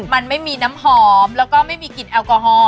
มันไม่มีน้ำหอมแล้วก็ไม่มีกลิ่นแอลกอฮอล